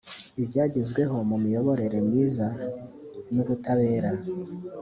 ibyagezweho mu miyoborere myiza n’ubutabera